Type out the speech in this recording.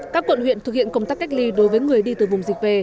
các quận huyện thực hiện công tác cách ly đối với người đi từ vùng dịch về